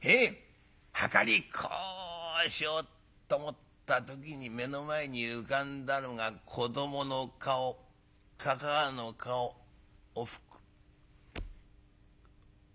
はかりこうしようと思った時に目の前に浮かんだのが子どもの顔かかあの顔おふく」。